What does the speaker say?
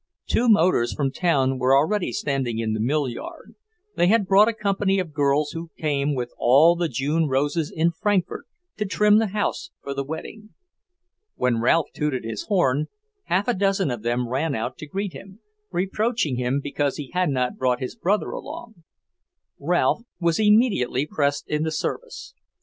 Two motors from town were already standing in the mill yard; they had brought a company of girls who came with all the June roses in Frankfort to trim the house for the wedding. When Ralph tooted his horn, half a dozen of them ran out to greet him, reproaching him because he had not brought his brother along. Ralph was immediately pressed into service.